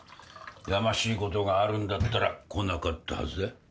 やましいことがあるんだったら来なかったはずだ。